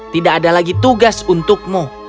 tidak ada lagi tugas untukmu